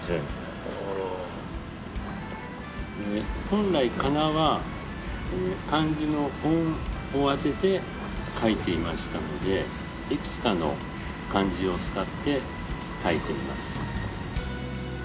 本来かなは漢字の音を当てて書いていましたのでいくつかの漢字を使って書いてみます。